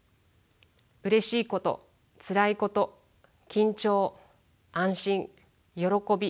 うれしいことつらいこと緊張安心喜び達成感